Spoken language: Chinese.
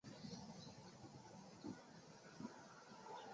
任改翰林院庶吉士。